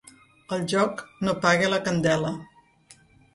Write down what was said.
El joc no paga la candela.